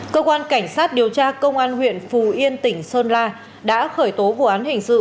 cơ quan cảnh sát điều tra công an huyện phù yên tỉnh sơn la đã khởi tố vụ án hình sự